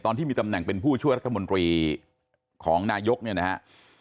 ที่มีตำแหน่งเป็นผู้ช่วยรัฐมนตรีของนายกเนี่ยนะครับ